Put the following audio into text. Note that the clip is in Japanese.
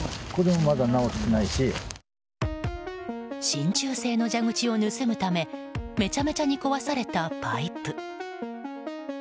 真鍮製の蛇口を盗むためめちゃめちゃに壊されたパイプ。